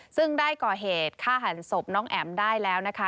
ซึ่งได้ก่อเหตุฆ่าหันศพน้องแอ๋มได้แล้วนะคะ